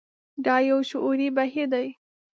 دا يو شعوري بهير دی.